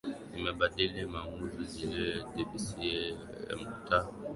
Nimebadili maamuzi Julliealijibu Daisy kwa mkaato